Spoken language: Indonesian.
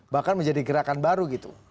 bahkan menjadi gerakan baru gitu